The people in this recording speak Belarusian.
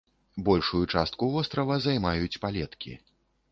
Большую частку вострава займаюць палеткі.